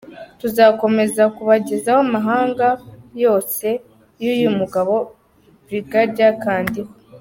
Tuzakomeza kubagezaho amanyanga yose y’uyu mugabo Brig.Kandiho.